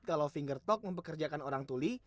kalau finger talk mempekerjakan orang tuli